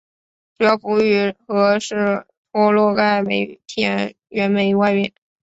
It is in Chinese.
主要服务于和什托洛盖煤田原煤外运。